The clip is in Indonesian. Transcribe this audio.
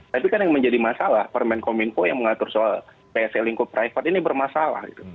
tapi kan yang menjadi masalah permen kominfo yang mengatur soal pse lingkup private ini bermasalah